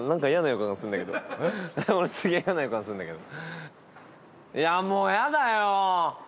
俺すげえやな予感すんだけど。